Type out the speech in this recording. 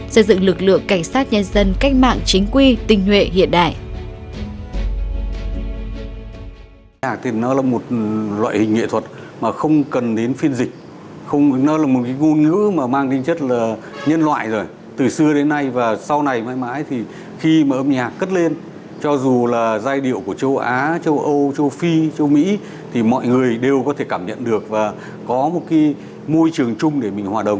xây dựng lực lượng cảnh sát nhân dân cách mạng chính quy tình huệ hiện đại